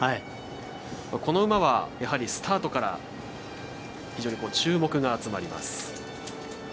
この馬はスタートから非常に注目が集まります。